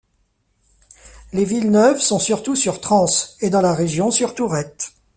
Les Villeneuve sont surtout sur Trans, et dans la région sur Tourrettes.